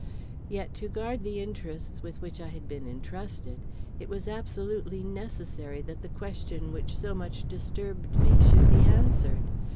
Yet to guard the interests with which I had been entrusted, it was absolutely necessary that the question which so much disturbed me should be answered.